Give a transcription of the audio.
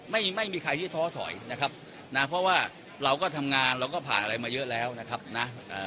ไม่มีใครที่ท้อถอยนะครับนะเพราะว่าเราก็ทำงานเราก็ผ่านอะไรมาเยอะแล้วนะครับนะเอ่อ